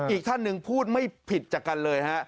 อีกท่านหนึ่งพูดไม่ผิดจากกันเลยฮะ